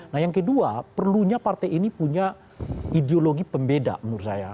nah yang kedua perlunya partai ini punya ideologi pembeda menurut saya